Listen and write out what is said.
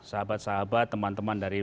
sahabat sahabat teman teman dari